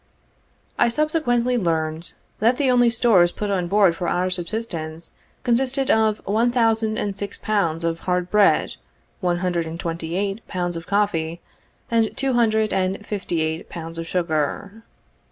I subsequently learned that the only stores put on board for our subsistence consisted of one thousand and six pounds of hard bread, one hundred and twenty eight pounds of coffee, and two hundred and fifty eight pounds of sugar.